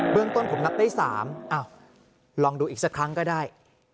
เรื่องต้นผมนับได้๓ลองดูอีกสักครั้งก็ได้